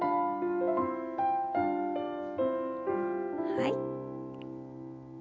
はい。